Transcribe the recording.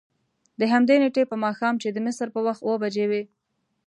د همدې نېټې په ماښام چې د مصر په وخت اوه بجې وې.